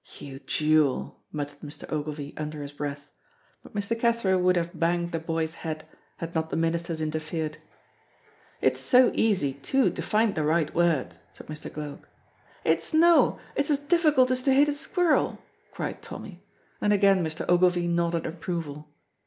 "You jewel!" muttered Mr. Ogilvy under his breath, but Mr. Cathro would have banged the boy's head had not the ministers interfered. "It is so easy, too, to find the right word," said Mr. Gloag. "It's no; it's as difficult as to hit a squirrel," cried Tommy, and again Mr. Ogilvy nodded approval.